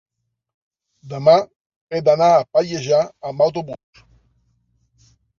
demà he d'anar a Pallejà amb autobús.